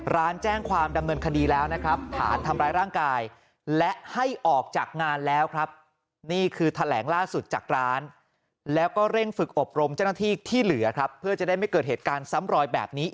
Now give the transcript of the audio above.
ร้านแจ้งความดำเนินคดีแล้วนะครับผ่านทำร้ายร่างกาย